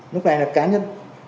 lúc này là cá nhân